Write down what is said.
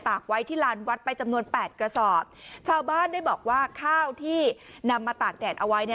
กไว้ที่ลานวัดไปจำนวนแปดกระสอบชาวบ้านได้บอกว่าข้าวที่นำมาตากแดดเอาไว้